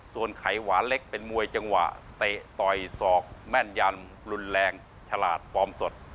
ส่วนไขหวานเล็กเป็นมวยจังหวะเตะต่อยศอกแม่นยันรุนแรงฉลาดฟอร์มสด